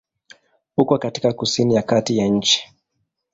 Uko katika kusini ya kati ya nchi.